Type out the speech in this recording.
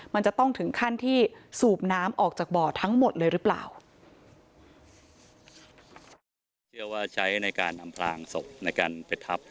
มันจะต้องถึงขั้นที่สูบน้ำออกจากบ่อทั้งหมดเลยหรือเปล่า